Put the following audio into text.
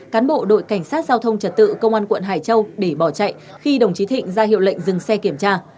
cán bộ đội cảnh sát giao thông trật tự công an quận hải châu để bỏ chạy khi đồng chí thịnh ra hiệu lệnh dừng xe kiểm tra